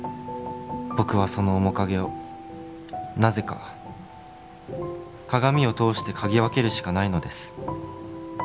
「僕はその面影をなぜか」「鏡を通して嗅ぎ分けるしかないのです」